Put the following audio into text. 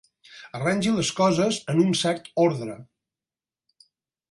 Arrangi les coses en un cert ordre.